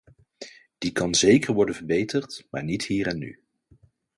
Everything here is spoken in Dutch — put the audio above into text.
Die kan zeker worden verbeterd, maar niet hier en nu.